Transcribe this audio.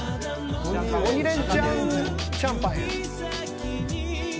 鬼レンチャンシャンパンやん。